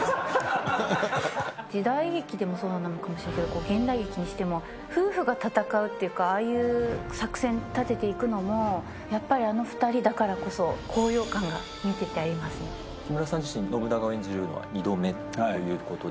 時代劇でもそうなのかもしれないけど、現代劇にしても、夫婦が戦うっていうか、ああいう作戦たてていくのもやっぱり、あの２人だからこそ、木村さん自身、信長を演じるのは２度目ということで。